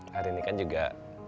hari ini kan juga